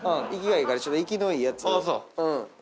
生きがいいから生きのいいやつ。